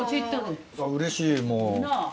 うれしいもう。